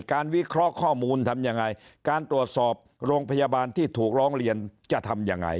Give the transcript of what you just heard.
วิเคราะห์ข้อมูลทำยังไงการตรวจสอบโรงพยาบาลที่ถูกร้องเรียนจะทำยังไง